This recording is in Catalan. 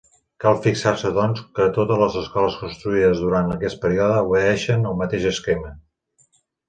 Cal fixar-se doncs que totes les escoles construïdes durant aquest període obeeixen al mateix esquema.